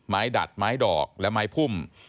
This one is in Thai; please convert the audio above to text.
ดัดไม้ดอกและไม้พุ่ม